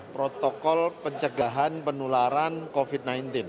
protokol pencegahan penularan covid sembilan belas